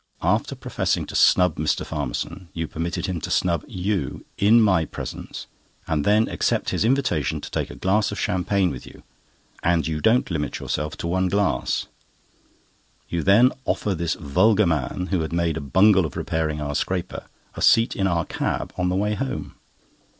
After professing to snub Mr. Farmerson, you permit him to snub you, in my presence, and then accept his invitation to take a glass of champagne with you, and you don't limit yourself to one glass. You then offer this vulgar man, who made a bungle of repairing our scraper, a seat in our cab on the way home.